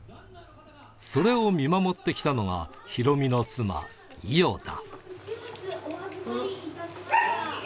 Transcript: それを見守ってきたのがヒロミの妻、伊代だ。